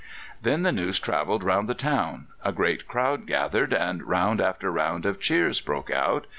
Then the news travelled round the town; a great crowd gathered, and round after round of cheers broke out.